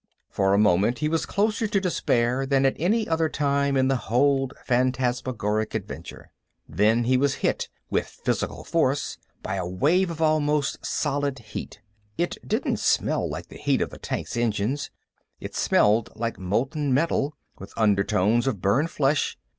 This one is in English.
For a moment, he was closer to despair than at any other time in the whole phantasmagoric adventure. Then he was hit, with physical force, by a wave of almost solid heat. It didn't smell like the heat of the tank's engines; it smelled like molten metal, with undertones of burned flesh.